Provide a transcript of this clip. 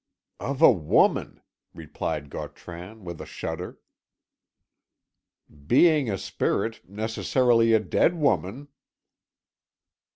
"Of a woman," replied Gautran with a shudder. "Being a spirit, necessarily a dead woman!"